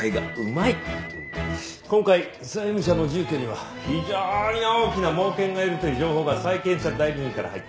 今回債務者の住居には非常に大きな猛犬がいるという情報が債権者代理人から入った。